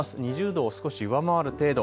２０度を少し上回る程度。